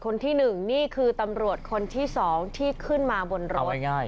คนที่๑นี่คือตำรวจคนที่๒ที่ขึ้นมาบนรถ